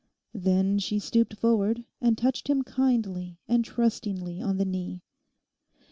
Then she stooped forward and touched him kindly and trustingly on the knee.